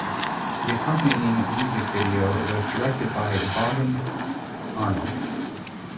The accompanying music video was directed by Vaughan Arnell.